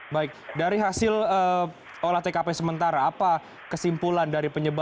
baik dari hasil olah tkp sementara apa kesimpulan dari penyelidikan